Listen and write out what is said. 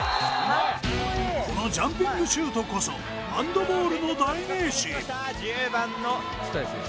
このジャンピングシュートこそハンドボールの代名詞